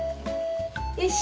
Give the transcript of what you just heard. よし！